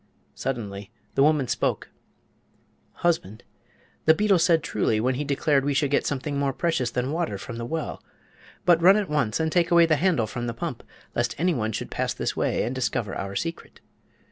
Suddenly the woman spoke. "Husband, the beetle said truly when he declared we should get something more precious than water from the well. But run at once and take away the handle from the pump, lest anyone should pass this way and discover our secret."